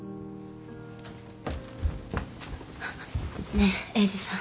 ねえ英治さん。